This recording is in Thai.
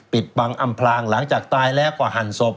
ปิดบังอำพลางหลังจากตายแล้วก็หั่นศพ